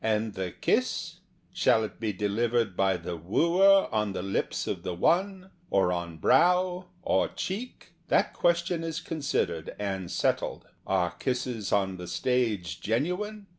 And the kiss ? Shall it be delivered by the wooer on the lips of the won, or on brow, or cheek ? That question is considered and settled. Are kisses on the stage genuine